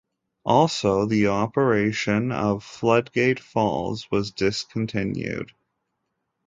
Also, the operation of Floodgate Falls was discontinued.